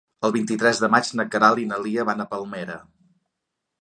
El vint-i-tres de maig na Queralt i na Lia van a Palmera.